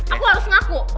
aku harus ngaku